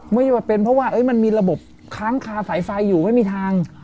ไม่ใช่ว่าเป็นเพราะว่ามันมีระบบค้างคาสายไฟอยู่ไม่มีทาง